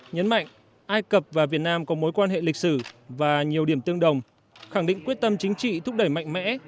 nhấn mạnh ai cập và việt nam có mối quan hệ lịch sử và nhiều điểm tương đồng khẳng định quyết tâm chính trị thúc đẩy mạnh mẽ